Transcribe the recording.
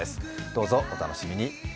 どうぞお楽しみに。